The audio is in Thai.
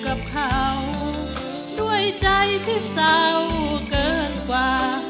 กับเขาด้วยใจที่เศร้าเกินกว่า